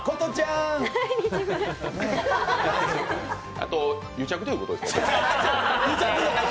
あと癒着ということですか。